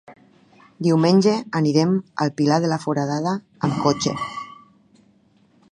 Diumenge anirem al Pilar de la Foradada amb cotxe.